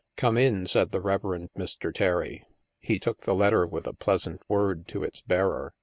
" Come in," said the Reverend Mr. Terry. He took the letter with a pleasant word to its bearer.